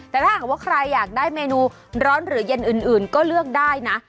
แต่ถ้าหากว่าใครอยากได้เมนูร้อนหรือเย็นอื่นก็เลือกได้นะ